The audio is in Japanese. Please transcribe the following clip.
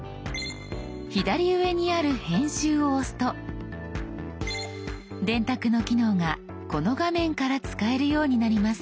左上にある「編集」を押すと「電卓」の機能がこの画面から使えるようになります。